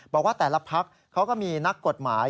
บอกว่าแต่ละพักเขาก็มีนักกฎหมาย